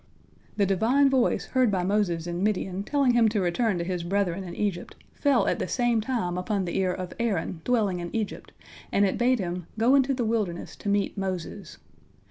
The Divine voice heard by Moses in Midian telling him to return to his brethren in Egypt fell at the same time upon the ear of Aaron, dwelling in Egypt, and it bade him "go into the wilderness to meet Moses."